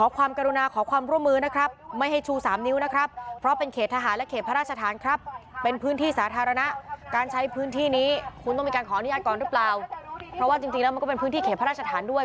เพราะว่าจริงแล้วมันก็เป็นพื้นที่เขตพระราชฐานด้วย